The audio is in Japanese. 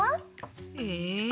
え？